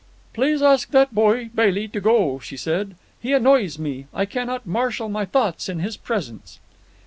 "Please ask that boy Bailey to go," she said. "He annoys me. I cannot marshal my thoughts in his presence."